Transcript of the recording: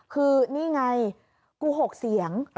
คือนี่ไงกู๖เสียง